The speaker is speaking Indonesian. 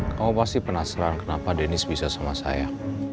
kamu pasti penasaran kenapa dennis bisa sama saya